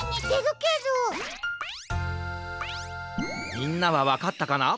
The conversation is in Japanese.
みんなはわかったかな？